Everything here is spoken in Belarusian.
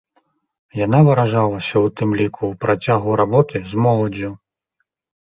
Яна выражалася ў тым ліку ў працягу работы з моладдзю.